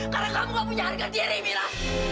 karena kamu nggak punya harga diri mila